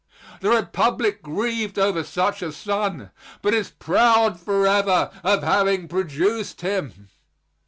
The Republic grieved over such a son, but is proud forever of having produced him.